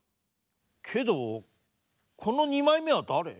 けどこのにまいめはだれ？